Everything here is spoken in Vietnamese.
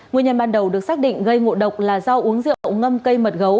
nguyên nhân ban đầu được xác định gây ngộ độc là do uống rượu ngâm cây mật gấu